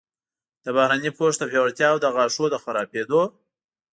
د بهرني پوښ د پیاوړتیا او د غاښونو د خرابیدو